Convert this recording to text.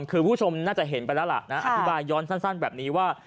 คือผู้ชมน่าจะเห็นไปแล้วล่ะนะอธิบายย้อนสั้นแบบนี้ว่า